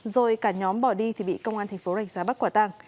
rồi cả nhóm bỏ đi thì bị công an tp rạch giá bắt quả tàng